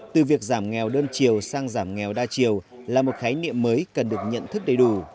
từ việc giảm nghèo đơn chiều sang giảm nghèo đa chiều là một khái niệm mới cần được nhận thức đầy đủ